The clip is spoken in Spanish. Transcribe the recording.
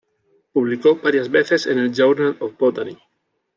Publicó varias veces en el "Journal of Botany".